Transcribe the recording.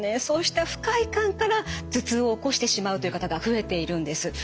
そうした不快感から頭痛を起こしてしまうという方が増えているんです。